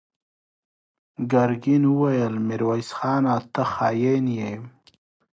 ګرګين وويل: ميرويس خانه! ته خاين يې!